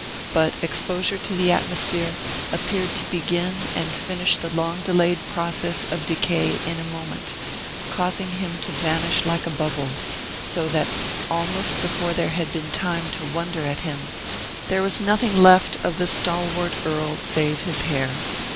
But exposure to the atmosphere appeared to begin and finish the long delayed process of decay in a moment, causing him to vanish like a bubble; so, that, almost before there had been time to wonder at him, there was nothing left of the stalwart Earl save his hair.